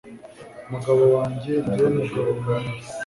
mugabo wanjye jye mugabo nkunda